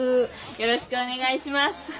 よろしくお願いします。